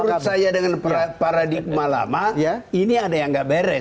menurut saya dengan paradigma lama ini ada yang gak beres